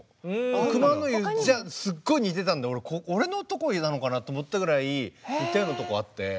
熊の湯じゃすっごい似てたんで俺のとこなのかなと思ったぐらい似たようなとこあって。